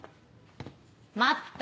待った？